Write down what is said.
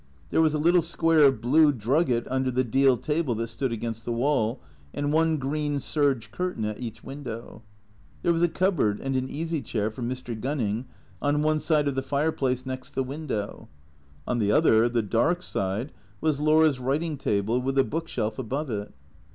There was a little square of blue drugget under the deal table that stood against the wall, and one green serge curtain at each window. There was a cupboard and an easy chair for Mr. Gunning on one side of the fireplace next the window. On the other, the dark side, was Laura's writing table, with a book shelf above it.